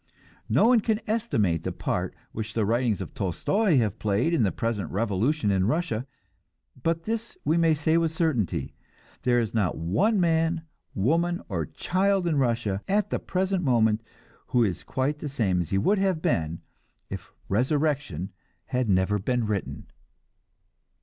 No one can estimate the part which the writings of Tolstoi have played in the present revolution in Russia, but this we may say with certainty: there is not one man, woman or child in Russia at the present moment who is quite the same as he would have been if "Resurrection" had never been written.